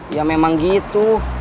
ya memang gitu